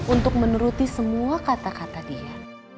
untuk menuruti semua kata kata dia